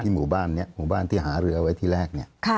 หมู่บ้านนี้หมู่บ้านที่หาเรือไว้ที่แรกเนี่ย